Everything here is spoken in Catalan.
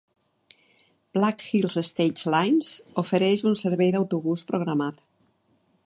Black Hills Stage Lines ofereix un servei d'autobús programat.